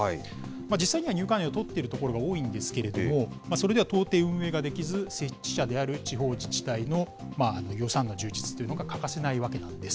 実際には入館料を取っているところが多いんですけれども、それでは到底運営ができず、設置者である地方自治体の予算の充実というのが欠かせないわけなんです。